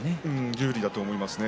有利だと思いますね